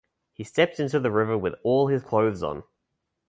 He stepped into the river with all his clothes on.